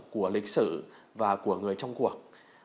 của lịch sử và của người trong cuộc